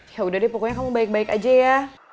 ya udah deh pokoknya kamu baik baik aja ya